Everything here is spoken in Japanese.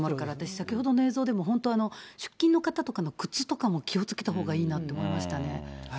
先ほどの映像でも本当、出勤の方とかの靴とかも気をつけたほうがいいなと思いましたね。